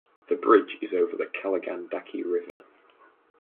The bridge is over the Kaligandaki river.